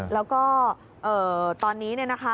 แล้วก็ตอนนี้